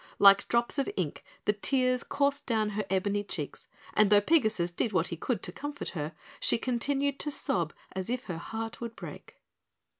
Like drops of ink the tears coursed down her ebony cheeks, and though Pigasus did what he could to comfort her, she continued to sob as if her heart would break.